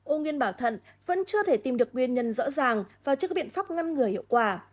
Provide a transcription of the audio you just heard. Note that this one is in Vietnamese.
ung nguyên bảo thận vẫn chưa thể tìm được nguyên nhân rõ ràng và trước các biện pháp ngăn người hiệu quả